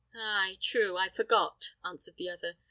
"Ay, true; I forgot," answered the other.